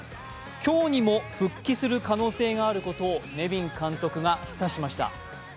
今日にも復帰する可能性のあることをネビン監督が示唆しました。